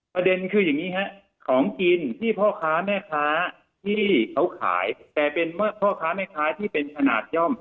ประเด็นคืออย่างนี้ฮะของกินที่พ่อค้าแม่ค้าที่เขาขายแต่เป็นพ่อค้าแม่ค้าที่เป็นขนาดย่อม